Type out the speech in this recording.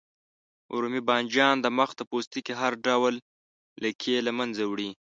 رومي بانجان د مخ د پوستکي هر ډول لکې له منځه وړي.